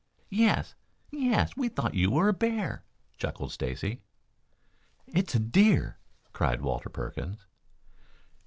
"Yes, yes, we thought you were a bear," chuckled Stacy. "It's a deer," cried Walter Perkins.